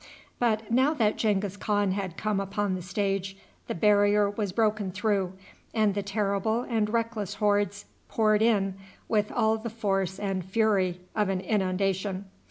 But, now that Genghis Khan had come upon the stage, the barrier was broken through, and the terrible and reckless hordes poured in with all the force and fury of an inundation.